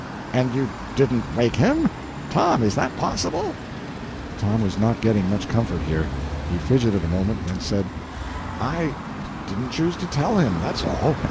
"And you didn't wake him? Tom, is that possible?" Tom was not getting much comfort here. He fidgeted a moment, then said: "I didn't choose to tell him that's all.